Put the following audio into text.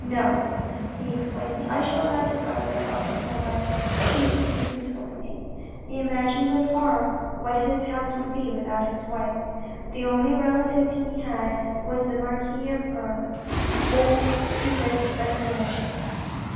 " No," he exclaimed, " I shall not deprive myself of my wife, she is too useful to me." He imagined with horror what his house 132 THE RED AND THE BLACK would be without his wife. The only relative he had was the Marquise of R old, stupid, and malicious.